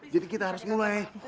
jadi kita harus mulai